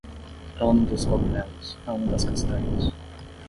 Ano dos cogumelos, ano das castanhas.